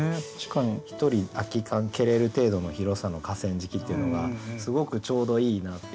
ひとり空きカン蹴れる程度の広さの河川敷っていうのがすごくちょうどいいなっていう。